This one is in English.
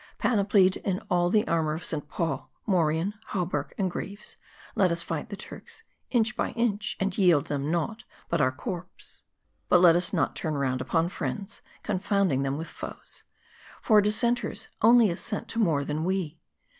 Panoplied in all the armor of St. Paul, morion, hauberk, and greaves, let us fight the Turks inch by inch, and yield them naught but our corpse. But let us not turn round upon friends, confounding them with foes. For dissenters only assent to more than we.